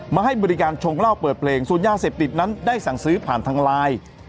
ให้บริการชงเหล้าเปิดเพลงส่วนยาเสพติดนั้นได้สั่งซื้อผ่านทางไลน์